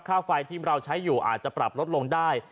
ค่าไฟที่เราใช้อยู่อาจจะปรับลดลงได้